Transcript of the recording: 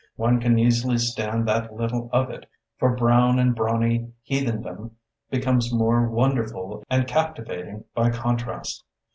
One can easily stand that little of it, for brown and brawny heathendom becomes more wonderful and captivating by contrast.